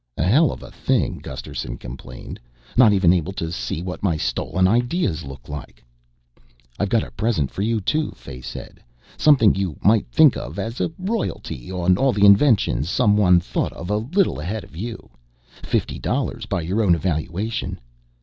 "A hell of a thing," Gusterson complained, "not even to be able to see what my stolen ideas look like." "I got a present for you too," Fay said. "Something you might think of as a royalty on all the inventions someone thought of a little ahead of you. Fifty dollars by your own evaluation."